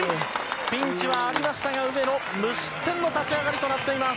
ピンチはありましたが、上野、無失点の立ち上がりとなっています。